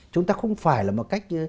chúng ta không phải là một cách